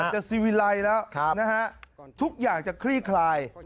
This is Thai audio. ใช่ซิวิไลช์แล้วนะทุกอย่างจะคลี่คลาย